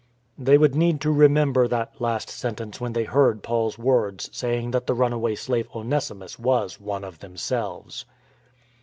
They would need to remember that last sentence when they heard Paul's words saying that the run away slave Onesimus was " one of themselves."